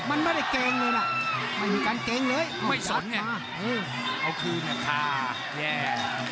มันไม่ได้เก่งเลยน่ะไม่มีการเก่งเลยไม่สนเนี่ยเอาคืนอ่ะค่ะแย่